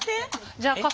じゃあ傘。